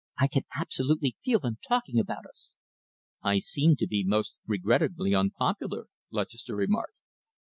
"I can absolutely feel them talking about us." "I seem to be most regrettably unpopular," Lutchester remarked.